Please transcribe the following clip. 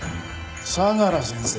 相良先生。